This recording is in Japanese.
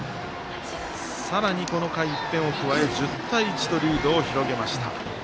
さらに、この回１点を加え１０対１とリードを広げました。